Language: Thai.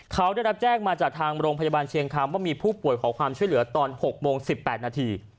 เขาได้รับแจ้งมาจากทางโรงพยาบาลเชียงคำว่ามีผู้ป่วยขอความช่วยเหลือตอน๖โมง๑๘นาที